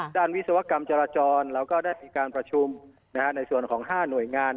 วิศวกรรมจราจรเราก็ได้มีการประชุมในส่วนของ๕หน่วยงาน